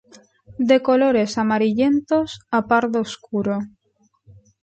De colores amarillentos a pardo oscuro.